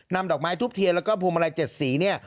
นำดอกไม้ทุบเทียแล้วก็ภูมิลัย๗สี